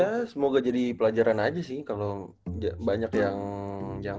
ya semoga jadi pelajaran aja sih kalau banyak yang